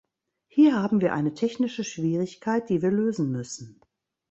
Hier haben wir eine technische Schwierigkeit, die wir lösen müssen.